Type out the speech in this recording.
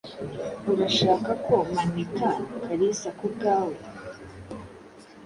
Urashaka ko maneka Kalisa kubwawe?